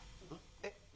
えっ？